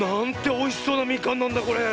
おいしそうなみかんなんだこれ！